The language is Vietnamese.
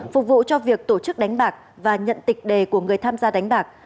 phục vụ cho việc tổ chức đánh bạc và nhận tịch đề của người tham gia đánh bạc